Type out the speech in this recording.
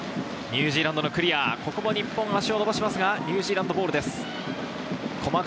ニュージーランドのクリア、ここは日本、足を伸ばしますが、ニュージーランドボールです。